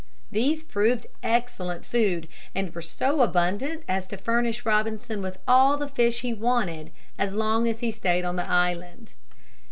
These proved excellent food and were so abundant as to furnish Robinson with all the fish he wanted as long as he stayed on the island.